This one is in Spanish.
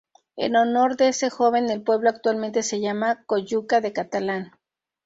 En honor de ese joven, el pueblo actualmente se llama Coyuca de Catalán.